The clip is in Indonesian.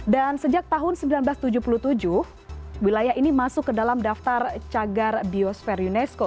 dan sejak tahun seribu sembilan ratus tujuh puluh tujuh wilayah ini masuk ke dalam daftar cagar biosphere unesco